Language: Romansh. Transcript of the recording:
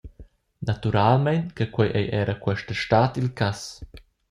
Naturalmein che quei ei era questa stad il cass.